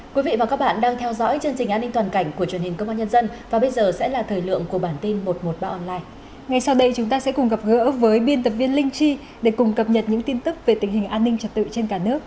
hãy đăng ký kênh để ủng hộ kênh của chúng mình nhé